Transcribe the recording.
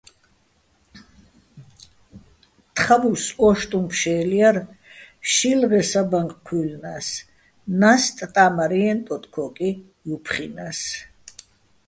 თხაბუს ო́შტუჼ ფშე́ლ ჲარ, შილღეჼ საბაჼ ჴუჲლლნა́ს, ნასტ ტა́მარჲენო ტოტ-ქო́კი ჲოფხჲინა́ს.